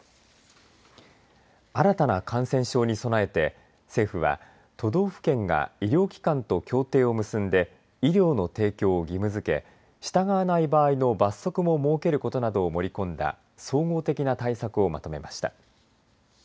新たな感染症に備えて政府は、都道府県が医療機関と協定を結んで医療の提供を義務づけ従わない場合の罰則も設けることなどを盛り込んだ総合的な対策をまとめました。